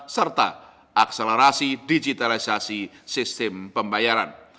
serta akselerasi digitalisasi sistem pembayaran